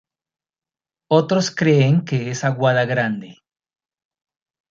Otros creen que es Aguada Grande.